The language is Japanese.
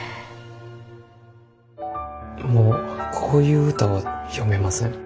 もうこういう歌は詠めません。